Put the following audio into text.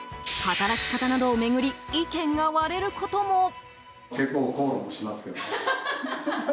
働き方などを巡り意見が割れることも。